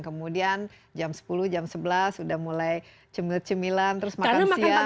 kemudian jam sepuluh jam sebelas sudah mulai cemil cemilan terus makan siang